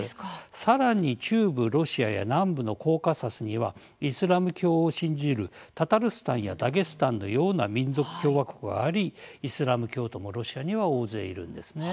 さらに、中部ロシアや南部のコーカサスにはイスラム教を信じるタタルスタンやダゲスタンのような民族共和国があり、イスラム教徒もロシアには大勢いるんですね。